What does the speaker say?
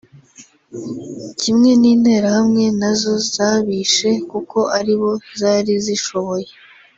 Kimwe n’interahamwe nazo zabishe kuko aribo zari zishoboye